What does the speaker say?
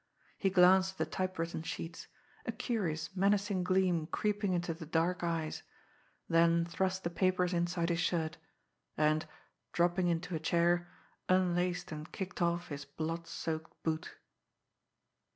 He glanced at the typewritten sheets, a curious, menacing gleam creeping into the dark eyes, then thrust the papers inside his shirt; and, dropping into a chair, unlaced and kicked off his blood soaked boot.